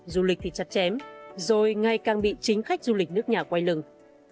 du lịch thì chặt chém rồi ngay càng bị chính khách du lịch nước nhà quay lừng